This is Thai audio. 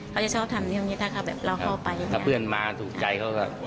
เขาจะชอบทำเรื่องงี้ถ้าเขาแบบเราเข้าไปถ้าเพื่อนมาถูกใจเขาก็